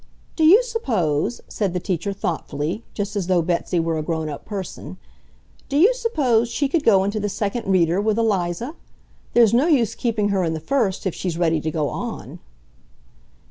"Do you suppose," said the teacher thoughtfully, just as though Betsy were a grown up person, "do you suppose she could go into the second reader, with Eliza? There's no use keeping her in the first if she's ready to go on."